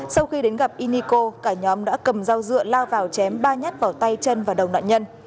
sau khi đến gặp unico cả nhóm đã cầm dao dựa lao vào chém ba nhát vào tay chân và đầu nạn nhân